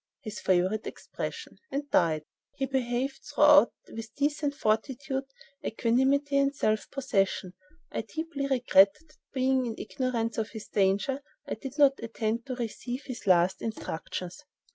(his favorite expression) and died. He behaved throughout with decent fortitude, equanimity and self possession. I deeply regret that, being in ignorance of his danger, I did not attend to receive his last instructions.